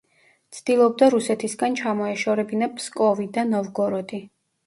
ცდილობდა რუსეთისგან ჩამოეშორებინა ფსკოვი და ნოვგოროდი.